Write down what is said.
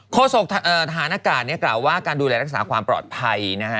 โศกฐานอากาศกล่าวว่าการดูแลรักษาความปลอดภัยนะฮะ